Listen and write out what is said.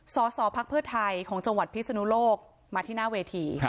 สสพักเพื่อไทยของจังหวัดพิศนุโลกมาที่หน้าเวที